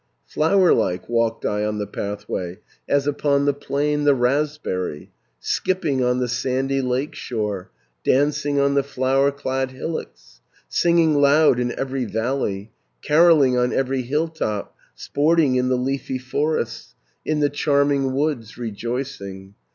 510 Flowerlike walked I on the pathway, As upon the plain the raspberry, Skipping on the sandy lakeshore, Dancing on the flower clad hillocks, Singing loud in every valley, Carolling on every hill top, Sporting in the leafy forests, In the charming woods rejoicing.